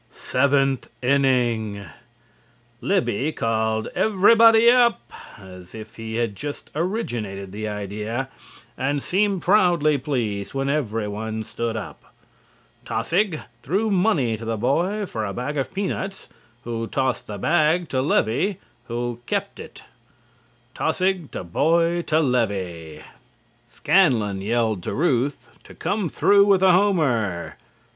SEVENTH INNING: Libby called "Everybody up!" as if he had just originated the idea, and seemed proudly pleased when everyone stood up. Taussig threw money to the boy for a bag of peanuts who tossed the bag to Levy who kept it. Taussig to boy to Levy. Scanlon yelled to Ruth to come through with a homer.